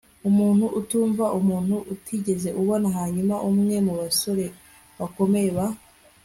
umuntu utumva umuntu utigeze ubona. hanyuma, umwe mubasore bakomeye ba